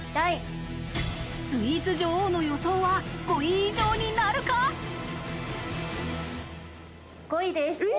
スイーツ女王の予想は５位以５位です。